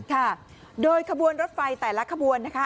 ค่ะโดยขบวนรถไฟแต่ละขบวนนะคะ